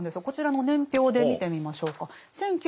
こちらの年表で見てみましょうか。